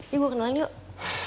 yuk gue kenalin yuk